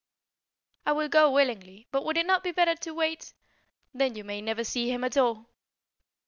"I will go willingly. But would it not be better to wait " "Then you may never see him at all."